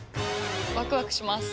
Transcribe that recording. ワクワクします。